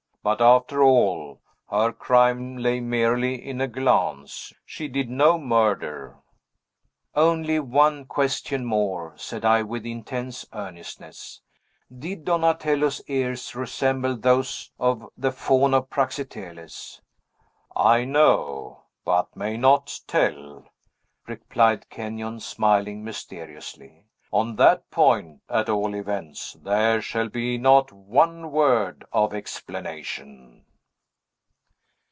"But, after all, her crime lay merely in a glance. She did no murder!" "Only one question more," said I, with intense earnestness. "Did Donatello's ears resemble those of the Faun of Praxiteles?" "I know, but may not tell," replied Kenyon, smiling mysteriously. "On that point, at all events, there shall be not one word of explanation."